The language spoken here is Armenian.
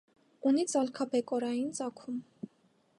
Ունի ծալքաբեկորային ծագում։